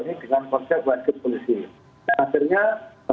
nah kemudian kami bersuat kepada seluruh negara silakan untuk daftar omicron di awal